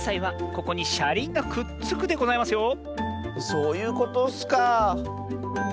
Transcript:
そういうことッスか。